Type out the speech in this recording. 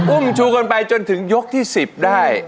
อุ้มชูคนไปจนถึงยกที่สิบตอนยกที่สิบได้